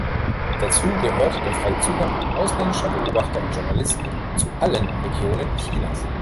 Dazu gehört der freie Zugang ausländischer Beobachter und Journalisten zu allen Regionen Chinas.